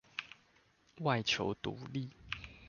外求獨立